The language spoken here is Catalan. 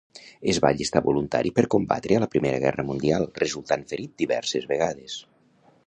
Es va allistar voluntari per combatre a la Primera Guerra Mundial, resultant ferit diverses vegades.